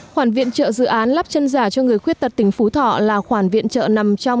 khoản viện trợ dự án lắp chân giả cho người khuyết tật tỉnh phú thọ là khoản viện trợ nằm trong